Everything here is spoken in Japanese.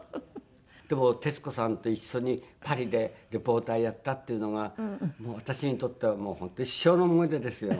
でも徹子さんと一緒にパリでリポーターやったっていうのがもう私にとっては本当一生の思い出ですよ。